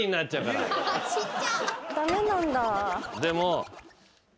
でも。